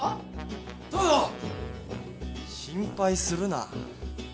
心配するな。